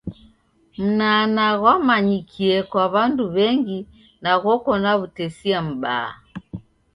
Mnanaa ghwamanyikie kwa w'andu w'engi na ghoko na wutesia m'baa.